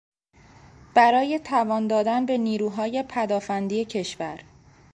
برای توان دادن به نیروهای پدآفندی کشور